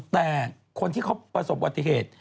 แต่คนที่เขาประสบวัติเหตุ